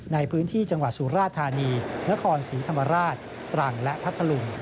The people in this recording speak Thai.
ในพื้นที่จังหวัดสุราธานีนครศรีธรรมราชตรังและพัทธลุง